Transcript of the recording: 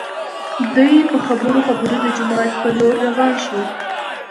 دوي په خبرو خبرو د جومات په لور راوان شول.